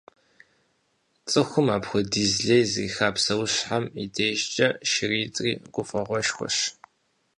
ЦӀыхум апхуэдиз лей зриха псэущхьэм и дежкӀэ шыритӏри гуфӏэгъуэшхуэщ.